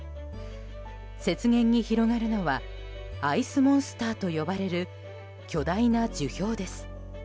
雪原に広がるのはアイスモンスターと呼ばれる巨大な樹氷です。